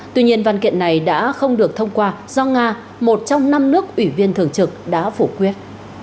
tuy nhiên văn kiện này đã không được thông qua do nga một trong năm nước ủy viên thường trực đã phủ quyết